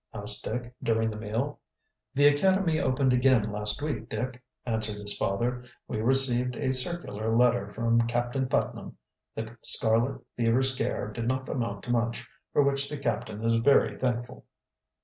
asked Dick, during the meal. "The academy opened again last week, Dick," answered his father. "We received a circular letter from Captain Putnam. The scarlet fever scare did not amount to much, for which the captain is very thankful."